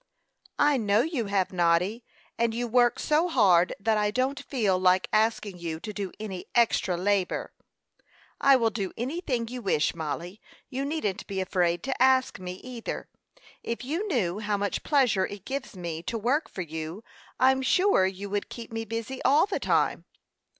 "I know you have, Noddy; and you work so hard that I don't feel like asking you to do any extra labor." "I will do anything you wish, Mollie. You needn't be afraid to ask me, either. If you knew how much pleasure it gives me to work for you, I'm sure you would keep me busy all the time."